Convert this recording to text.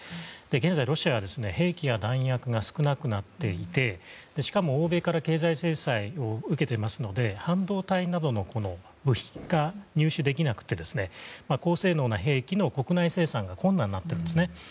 現在、ロシアは兵器や弾薬が少なくなっていてしかも欧米から経済制裁を受けていますので半導体などの部品が入手できなくて高性能な兵器の国内生産が困難になってるんですね。